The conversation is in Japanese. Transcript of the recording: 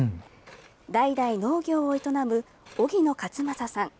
代々農業を営む荻野勝正さん。